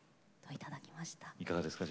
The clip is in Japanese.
いかがですか？